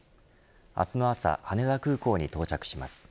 明日の朝羽田空港に到着します。